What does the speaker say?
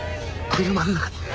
車の中だ。